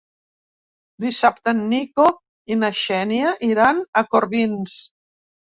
Dissabte en Nico i na Xènia iran a Corbins.